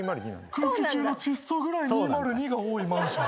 空気中の窒素ぐらい２０２が多いマンション。